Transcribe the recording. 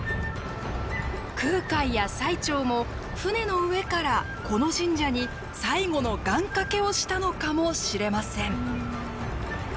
空海や最澄も船の上からこの神社に最後の願掛けをしたのかもしれません。